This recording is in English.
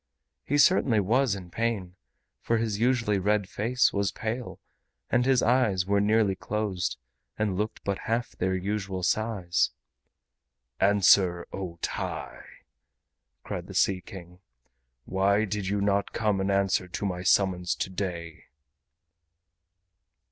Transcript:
He certainly was in pain, for his usually red face was pale, and his eyes were nearly closed and looked but half their usual size. "Answer, O TAI!" cried the Sea King, "why did you not come in answer to my summons today?"